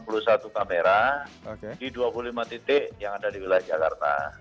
ada dua puluh satu kamera di dua puluh lima titik yang ada di wilayah jakarta